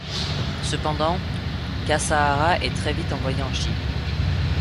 Cependant, Kasahara est très vite envoyé en Chine.